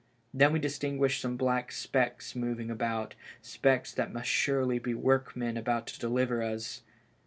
Then we distinguished some black specks moving about, specks that must surely be work men about to deliver us.